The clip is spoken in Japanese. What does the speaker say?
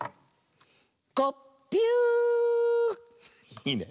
いいね。